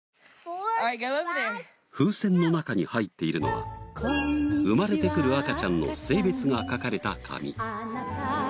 風船の中に入っているのは生まれてくる赤ちゃんの性別が書かれた紙。